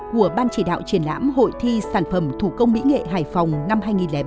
của ban chỉ đạo triển lãm hội thi sản phẩm thủ công mỹ nghệ hải phòng năm hai nghìn bảy